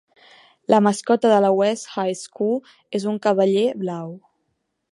La mascota de la West High School és un cavaller blau.